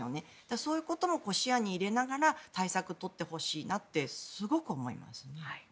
そういうことも視野に入れながら対策を取ってほしいなってすごく思います。